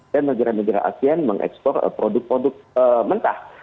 dan negara negara asean mengekspor produk produk mentah